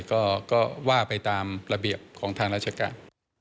ก็ว่าไปตามระเบียบของทางราชการ